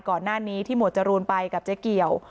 ก่อนหน้านี้ที่หมวดจรูนไปกับเจ๊เกี่ยว